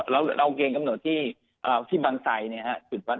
เราเอาเกณฑ์กำหนดที่บางไซน์เนี่ยครับ